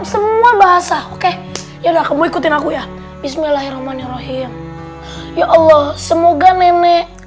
semua bahasa oke yaudah aku mau ikutin aku ya bismillahirrahmanirrahim ya allah semoga nenek